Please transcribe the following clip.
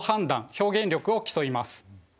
表現力を競います。